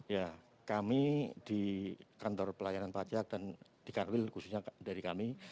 ya kami di kantor pelayanan pajak dan di kanwil khususnya dari kami